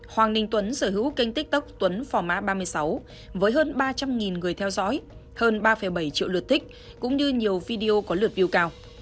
hoàng minh tuấn sở hữu kênh tiktok tuấn phò má ba mươi sáu với hơn ba trăm linh người theo dõi hơn ba bảy triệu lượt thích cũng như nhiều video có lượt view cao